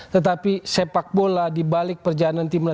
tetapi sepak bola dibalik perjalanan timnas